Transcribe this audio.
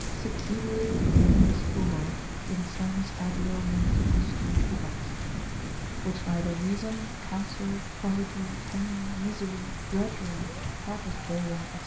Sic Divae Veneris furor, Insanis adeo mentibus incubat, which neither reason, counsel, poverty, pain, misery, drudgery, partus dolor, &c.